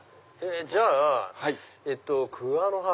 じゃあ桑の葉！